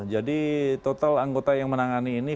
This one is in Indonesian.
jadi total anggota yang menangani ini